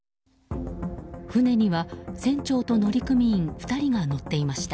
船には、船長と乗組員２人が乗っていました。